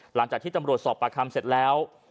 หลังจากที่ตำรวจสอบประคำเสร็จแล้ว